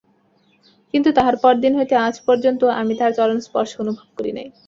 কিন্তু তাহার পরদিন হইতে আজ পর্যন্তও আমি তাহার চরণস্পর্শ অনুভব করি নাই।